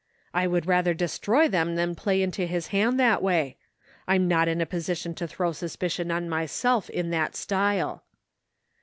" I would rather destroy them than play into his hand that way. I'm not in a position to throw sus picion on myself in that style."